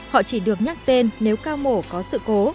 họ chỉ được nhắc tên nếu ca mổ có sự cố